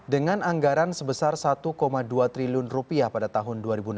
dengan anggaran sebesar satu dua triliun pada tahun dua ribu enam belas